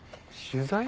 取材？